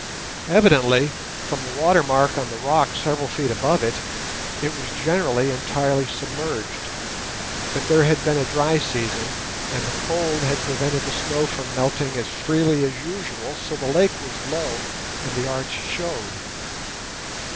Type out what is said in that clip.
Evidently, from the watermark on the rock several feet above it, it was generally entirely submerged; but there had been a dry season, and the cold had prevented the snow from melting as freely as usual; so the lake was low and the arch showed.